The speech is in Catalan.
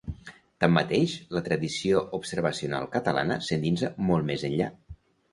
Tanmateix, la tradició observacional catalana s'endinsa molt més enllà.